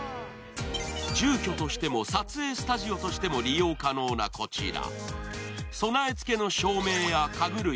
住居としても、撮影スタジオとしても利用可能なこちら。